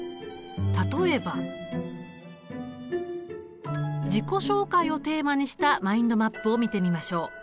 例えば自己紹介をテーマにしたマインドマップを見てみましょう。